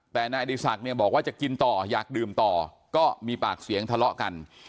แต่นายอดีศักดิ์เนี่ยบอกว่าจะกินต่ออยากดื่มต่อก็มีปากเสียงทะเลาะกัน